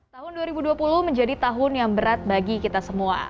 tahun dua ribu dua puluh menjadi tahun yang berat bagi kita semua